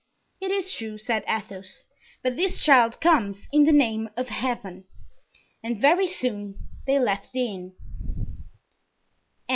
"It is true," said Athos, "but this child comes in the name of Heaven." And very soon they left the inn.